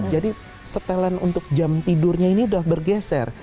jadi setelan untuk jam tidurnya ini udah bergeser